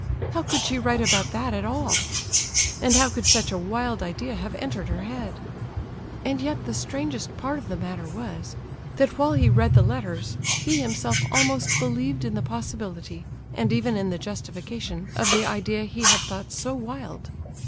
How could she write about that at all? And how could such a wild idea have entered her head? And yet, the strangest part of the matter was, that while he read the letters, he himself almost believed in the possibility, and even in the justification, of the idea he had thought so wild.